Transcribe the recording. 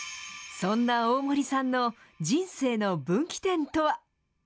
そんな大森さんの人生の分岐点とは。